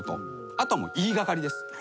後はもう言い掛かりです。